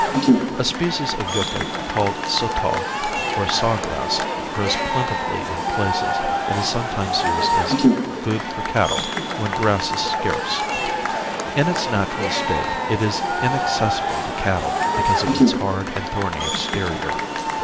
A species of yucca called sotal, or saw grass, grows plentifully in places, and is sometimes used as food for cattle when grass is scarce. In its natural state it is inaccessible to cattle because of its hard and thorny exterior.